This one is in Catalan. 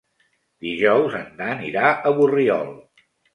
Dijous en Dan irà a Borriol.